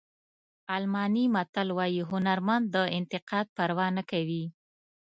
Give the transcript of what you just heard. الماني متل وایي هنرمند د انتقاد پروا نه کوي.